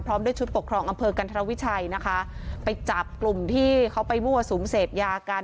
ด้วยชุดปกครองอำเภอกันธรวิชัยนะคะไปจับกลุ่มที่เขาไปมั่วสุมเสพยากัน